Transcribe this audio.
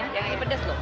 yang ini pedes lho